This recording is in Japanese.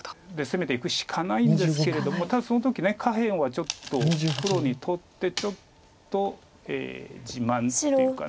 攻めていくしかないんですけれどもただその時下辺はちょっと黒にとってちょっと自慢というか。